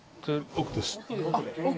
奥です。